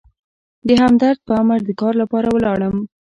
د همدرد په امر د کار لپاره ولاړم.